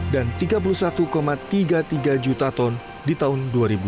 dan tiga puluh satu tiga puluh tiga juta ton di tahun dua ribu dua puluh satu